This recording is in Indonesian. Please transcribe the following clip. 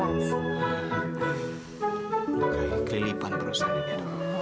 kayak kelipan berusaha nih